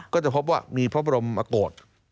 ก็จะพบว่ามีพระบรมอโกศ